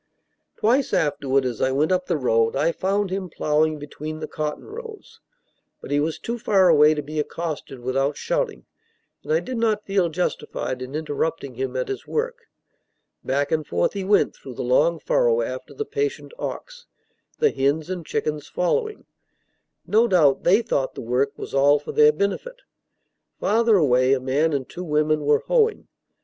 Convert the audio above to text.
Twice afterward, as I went up the road, I found him ploughing between the cotton rows; but he was too far away to be accosted without shouting, and I did not feel justified in interrupting him at his work. Back and forth he went through the long furrow after the patient ox, the hens and chickens following. No doubt they thought the work was all for their benefit. Farther away, a man and two women were hoeing.